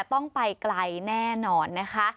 ต้องไปไกลแน่นอน